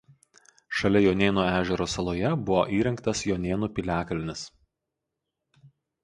Šalia Jonėnų ežero saloje buvo įrengtas Jonėnų piliakalnis.